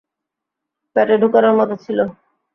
পেটে ঢুকানোর মতো ছিলো।